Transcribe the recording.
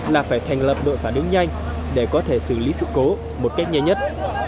là phải thành lập đội phản ứng nhanh để có thể xử lý sự cố một cách nhanh nhất